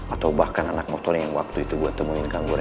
atau bahkan anak motornya yang waktu itu gue temuin ganggu reva